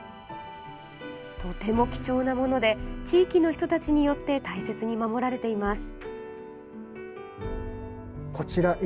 とても貴重なもので地域の人たちによって大切に守られています。